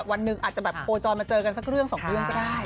อาจจะโปรจอยมาเจอกันสักเรื่องสองเรื่องก็ได้